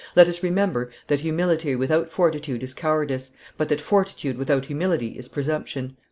Let us remember that humility without fortitude is cowardice, but that fortitude without humility is presumption."